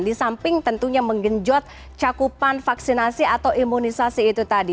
di samping tentunya menggenjot cakupan vaksinasi atau imunisasi itu tadi